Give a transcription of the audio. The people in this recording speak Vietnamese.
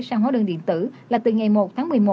sang hóa đơn điện tử là từ ngày một tháng một mươi một